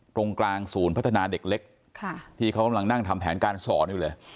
ตรงกลางศูนย์พัฒนาเด็กเล็กที่เขากำลังนั่งทำแผนการสอนอยู่เลย